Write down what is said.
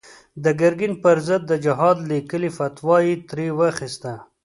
د ګرګين پر ضد د جهاد ليکلې فتوا يې ترې واخيسته.